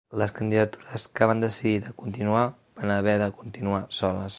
Les candidatures que van decidir de continuar van haver de continuar soles.